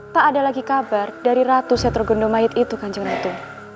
tak ada lagi kabar dari ratu setor gendomahit itu kanjeng ratu